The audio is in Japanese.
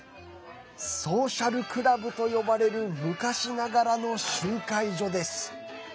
ソーシャルクラブと呼ばれる昔ながらの集会所です。